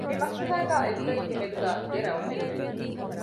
މި މައްސަލާގައި ޢިލްމުވެރިންގެ މެދުގައި ދެ ރައުޔެއްވެ